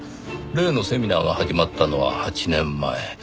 例のセミナーが始まったのは８年前。